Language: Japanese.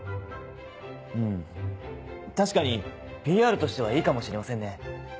うん確かにＰＲとしてはいいかもしれませんね。